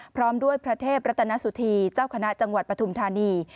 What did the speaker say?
พร้อมด้วยพระเทพรัตนสุธีเจ้าคณะจังหวัดปฐุมธานี